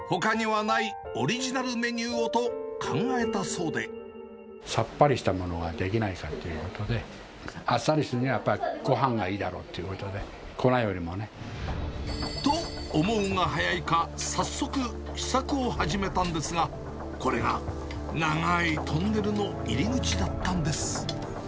ほかにはないオリジナルメニューさっぱりしたメニューはできないかっていうことで、あっさりするには、やっぱりごはんがいいと、思うが早いか、早速試作を始めたんですが、これが長いトンネルの入り口だったんです。